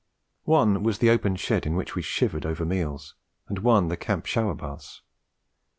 One was the open shed in which we shivered over meals, and one the camp shower baths.